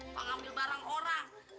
pengambil barang orang